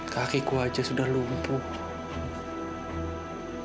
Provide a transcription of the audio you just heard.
kaki ku aja sudah lumpuh